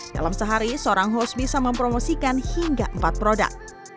dalam sehari seorang host bisa mempromosikan hingga empat produk